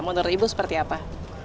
menurut ibu seperti apa